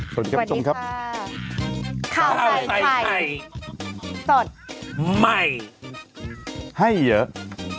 สวัสดีครับครับสวัสดีค่ะข้าวใครใครสดใหม่ให้เยอะอืมอืม